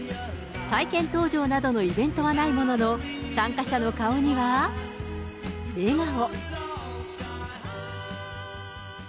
体験搭乗などのイベントはないものの、参加者の顔には、笑顔。